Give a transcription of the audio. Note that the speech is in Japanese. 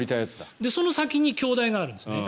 その先に京大があるんですね。